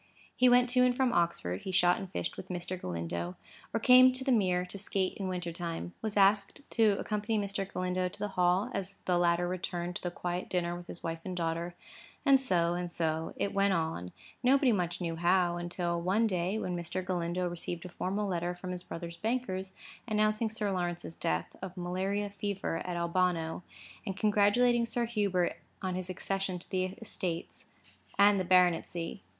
He went to and from Oxford; he shot and fished with Mr. Galindo, or came to the Mere to skate in winter time; was asked to accompany Mr. Galindo to the Hall, as the latter returned to the quiet dinner with his wife and daughter; and so, and so, it went on, nobody much knew how, until one day, when Mr. Galindo received a formal letter from his brother's bankers, announcing Sir Lawrence's death, of malaria fever, at Albano, and congratulating Sir Hubert on his accession to the estates and the baronetcy.